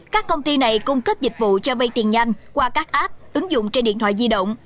các công ty này cung cấp dịch vụ cho vay tiền nhanh qua các app ứng dụng trên điện thoại di động